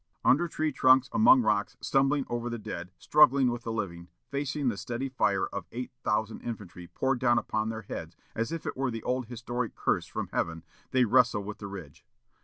Under tree trunks, among rocks, stumbling over the dead, struggling with the living, facing the steady fire of eight thousand infantry poured down upon their heads as if it were the old historic curse from heaven, they wrestle with the Ridge.